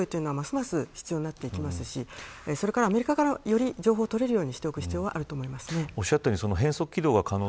日米韓の情報共有は必要になってきますしアメリカからより情報を取れるようにしておく必要があると思います。